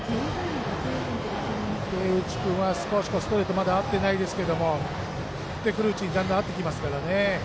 池内君、少しストレートまだ合ってないですけど振ってくるうちにだんだん合ってきますから。